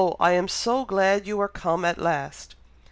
I am so glad you are come at last!"